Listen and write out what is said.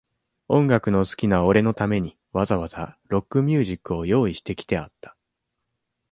音楽の好きな俺のために、わざわざ、ロックミュージックを用意してきてあった。